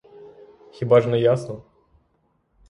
Хіба ж не ясно?